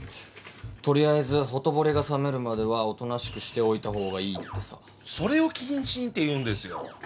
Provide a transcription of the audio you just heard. とりあえずほとぼりが冷めるまではおとなしくしておいた方がいいってさそれを「謹慎」って言うんですよ